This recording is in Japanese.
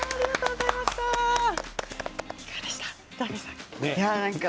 いかがでしたか？